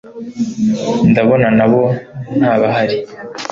ndabona nabo ntabahari